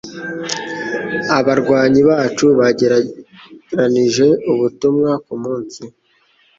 Abarwanyi bacu bagereranije ubutumwa kumunsi.